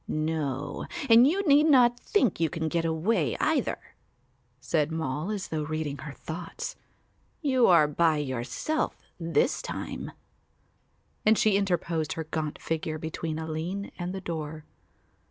"No, and you need not think you can get away either," said Moll, as though reading her thoughts. "You are by yourself this time," and she interposed her gaunt figure between Aline and the door.